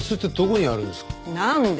なんで？